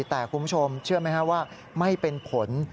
แต่คุณผู้ชมเชื่อไหมครับว่าไม่เป็นผล